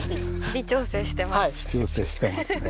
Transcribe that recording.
微調整してますね。